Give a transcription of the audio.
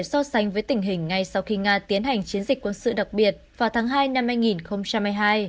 so sánh với tình hình ngay sau khi nga tiến hành chiến dịch quân sự đặc biệt vào tháng hai năm hai nghìn hai mươi hai